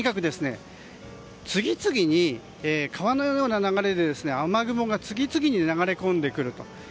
次々に川のような流れで雨雲が次々に流れ込んでくると。